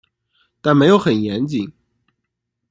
但没有很严谨